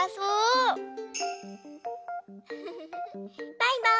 バイバーイ。